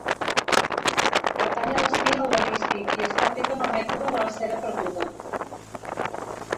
Pertany a l'estil hel·lenístic i està fet amb el mètode de la cera perduda.